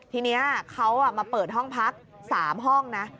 ทีนี้เขามาเปิดห้องพัก๓ห้องนะ